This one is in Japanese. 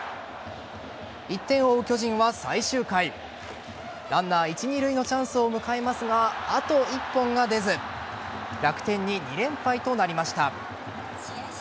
１点を追う巨人は最終回ランナー一・二塁のチャンスを迎えますがあと１本が出ず楽天に２連敗となりました。